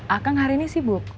akang hari ini sibuk